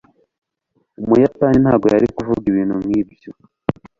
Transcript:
umuyapani ntabwo yari kuvuga ibintu nkibyo